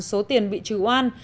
số tiền bị trừ oan